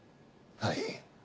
はい。